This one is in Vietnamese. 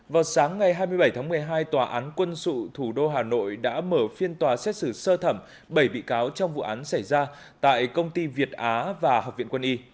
vào sáng ngày hai mươi bảy tháng một mươi hai tòa án quân sự thủ đô hà nội đã mở phiên tòa xét xử sơ thẩm bảy bị cáo trong vụ án xảy ra tại công ty việt á và học viện quân y